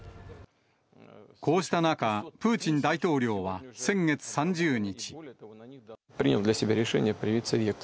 こうした中、プーチン大統領は先月３０日。